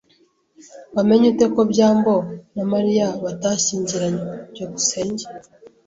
Wamenye ute ko byambo na Mariya batashyingiranywe? byukusenge